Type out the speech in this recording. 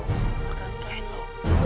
aku gak akan kain lu